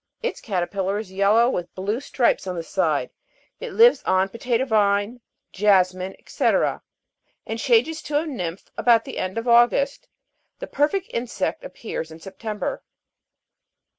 Its caterpillar is yellow with blue stripes on the side ; it lives on the potatoe vine, jasmin, &c., and changes to a nymph, about the end of August ; the perfect insect appears in September.